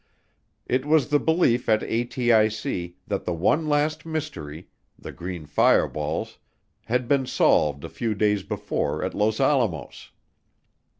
It was the belief at ATIC that the one last mystery, the green fireballs, had been solved a few days before at Los Alamos.